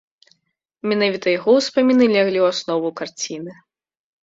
Менавіта яго ўспаміны леглі ў аснову карціны.